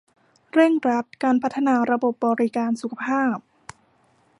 เร่งรัดการพัฒนาระบบบริการสุขภาพ